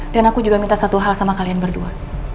dan aku juga minta satu hal sama kalian berdua